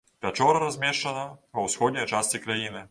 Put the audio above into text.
Пячора размешчана ва ўсходняй частцы краіны.